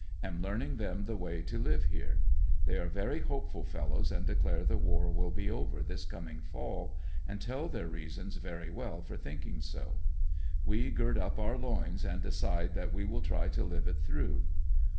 Am learning them the way to live here They are very hopeful fellows and declare the war will be over this coming fall, and tell their reasons very well for think ing so. We gird up our loins and decide that we will try to live it through.